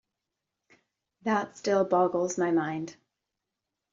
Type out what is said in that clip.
That still boggles my mind.